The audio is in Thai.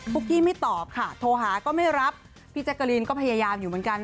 กี้ไม่ตอบค่ะโทรหาก็ไม่รับพี่แจ๊กกะรีนก็พยายามอยู่เหมือนกัน